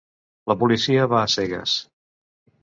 La policia va a cegues.